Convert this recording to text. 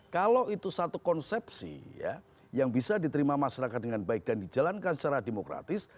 kalau itu satu konsepsi yang bisa diterima masyarakat dengan baik dan dijalankan secara demokratis